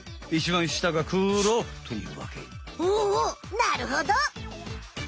なるほど。